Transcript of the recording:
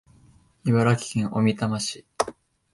茨城県小美玉市